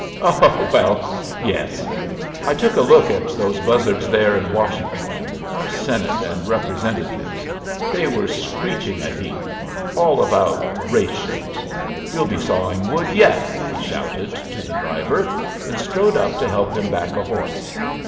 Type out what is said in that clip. "Oh, ho, ho! Well, yes. I took a look at those buzzards there in Washington. Our Senate and Representatives. They were screeching a heap. All about ratios. You'll be sawing wood yet!" he shouted to the driver, and strode up to help him back a horse.